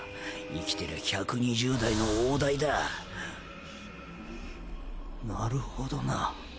生きてりゃ１２０代の大台だなるほどな。